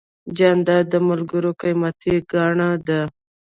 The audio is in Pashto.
جانداد د ملګرو قیمتي ګاڼه ده.